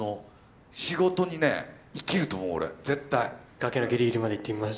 崖のぎりぎりまで行ってみます。